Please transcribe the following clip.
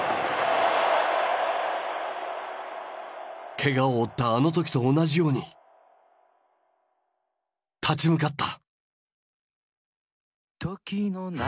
けがを負ったあの時と同じように立ち向かった。